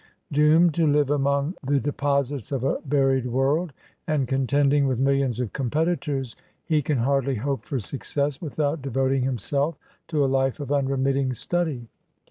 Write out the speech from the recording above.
Doomed to live among the deposits of a buried world, and contending with millions of competitors, he can hardly hope for success without devoting himself to a life of unremitting study.